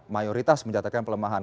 mayoritas mencatatkan pelemahan